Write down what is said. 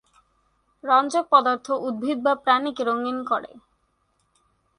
রঞ্জক পদার্থ উদ্ভিদ বা প্রাণীকে রঙিন করে।